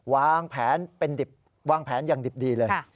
วางแผนเป็นดิบวางแผนอย่างดิบดีเลย